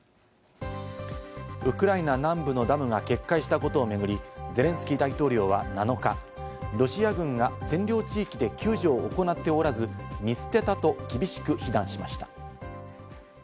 ウクライナ南部のダムが決壊したことを巡り、ゼレンスキー大統領は７日、ロシア軍が占領地域で救助を行っておらず、見捨てたと厳しく非難しました。